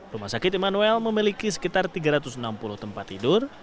rumah sakit immanuel memiliki sekitar tiga ratus enam puluh tempat tidur